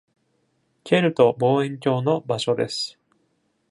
KELT 望遠鏡の場所です。